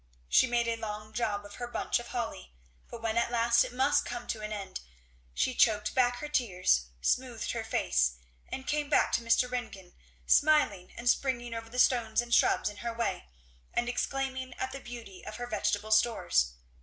She made a long job of her bunch of holly. But when at last it must come to an end she choked back her tears, smoothed her face, and came back to Mr. Ringgan smiling and springing over the stones and shrubs in her way, and exclaiming at the beauty of her vegetable stores.